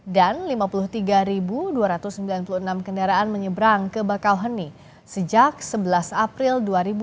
dan lima puluh tiga dua ratus sembilan puluh enam kendaraan menyeberang ke bakauheni sejak sebelas april dua ribu dua puluh empat